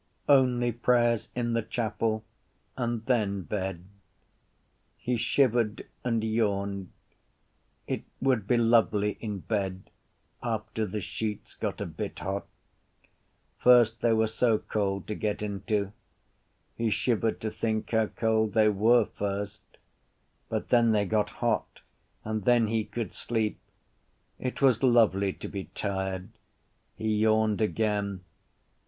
Only prayers in the chapel and then bed. He shivered and yawned. It would be lovely in bed after the sheets got a bit hot. First they were so cold to get into. He shivered to think how cold they were first. But then they got hot and then he could sleep. It was lovely to be tired. He yawned again.